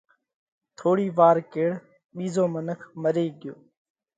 ٿوڙِي وار ڪيڙ ٻِيزو منک مري ڳيو۔